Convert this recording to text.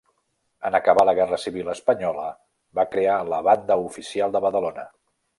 En acabar la guerra civil espanyola va crear la Banda Oficial de Badalona.